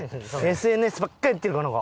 ＳＮＳばっかりやってるこの子。